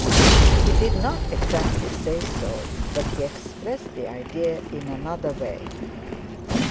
He did not exactly say so, but he expressed the idea in another way.